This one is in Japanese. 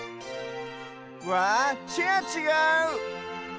わあチェアちがう！